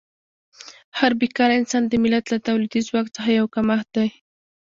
هر بېکاره انسان د ملت له تولیدي ځواک څخه یو کمښت دی.